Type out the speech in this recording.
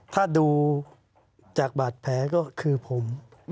ถ้าดูจากบาดแผลก็คือผม